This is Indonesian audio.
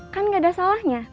kan gak ada salahnya